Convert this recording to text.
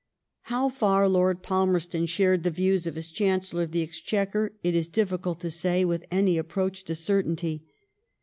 How far Lord Palmerston shared the views of his Chancellor of the Exchequer it is difficult to say with any appoach to certainty.